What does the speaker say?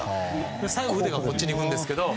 最後、腕がこっちに行くんですが。